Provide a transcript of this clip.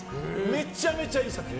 めちゃめちゃいい作品。